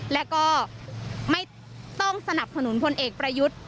และก็ไม่ต้องสนับสนุนพลเอกประยุทธ์